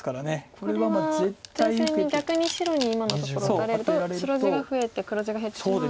これは冷静に逆に白に今のところ打たれると白地が増えて黒地が減ってしまうので。